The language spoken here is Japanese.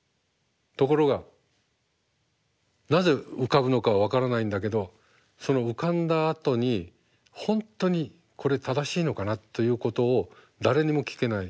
ところがなぜ浮かぶのかは分からないんだけどその浮かんだあとに本当にこれ正しいのかなということを誰にも聞けない。